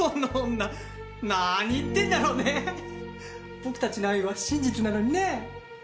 僕たちの愛は真実なのにねぇ？